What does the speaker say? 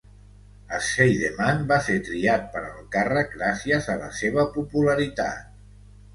Scheidemann va ser triat per al càrrec gràcies a la seva popularitat.